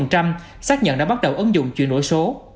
xác nhận đã bắt đầu ứng dụng chuyển đổi số